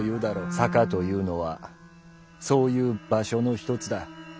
「坂」というのはそういう「場所」の一つだ。